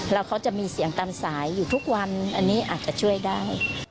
แล้วเขาจะมีเสียงตามสายอยู่ทุกวันอันนี้อาจจะช่วยได้